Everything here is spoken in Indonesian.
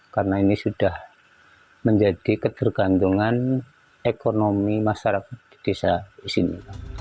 karena ini sudah menjadi ketergantungan ekonomi masyarakat di desa di sini